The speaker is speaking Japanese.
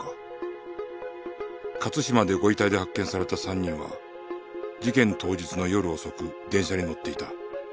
勝島でご遺体で発見された３人は事件当日の夜遅く電車に乗っていた